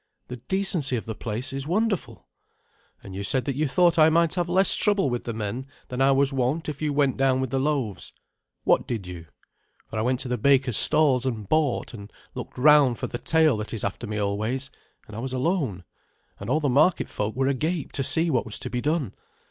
The decency of the place is wonderful, and you said that you thought I might have less trouble with the men than I was wont if you went down with the loaves. What did you? For I went to the baker's stalls and bought, and looked round for the tail that is after me always; and I was alone, and all the market folk were agape to see what was to be done.